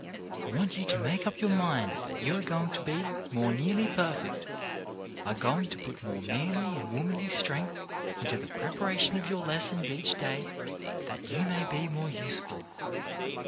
I want you to make up your minds that you are going to be more nearly perfect, are going to put more manly and womanly strength into the preparation of your lessons each day, that you may be more useful.